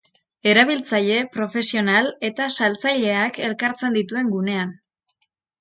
Erabiltzaile, profesional eta saltzaileak elkartzen dituen gunean.